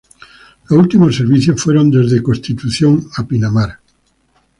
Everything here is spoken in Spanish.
Los últimos servicios fueron desde Constitución a Pinamar.